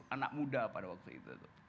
anak muda pada waktu itu